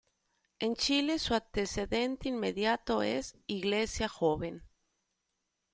En Chile su antecedente inmediato es Iglesia Joven.